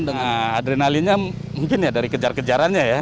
dengan adrenalinnya mungkin ya dari kejar kejarannya ya